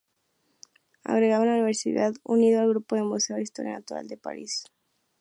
Agregado de la Universidad, unido al grupo del Museo de Historia Natural de París